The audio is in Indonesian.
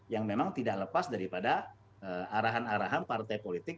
yang memang tidak lepas daripada arahan arahan partai politik